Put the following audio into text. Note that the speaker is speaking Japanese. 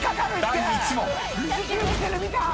［第１問］